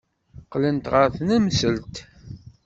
Qqlent ɣer tnemselt.